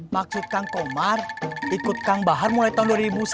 maksud kang komar ikut kang bahar mulai tahun dua ribu satu